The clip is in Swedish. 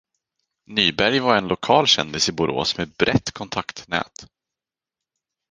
Nyberg var en lokal kändis i Borås med brett kontaktnät.